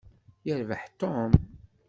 Yerbeḥ Tom.